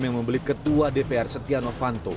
yang membeli ketua dpr setia novanto